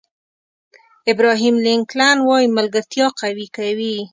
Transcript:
ابراهیم لینکلن وایي ملګرتیا قوي کوي.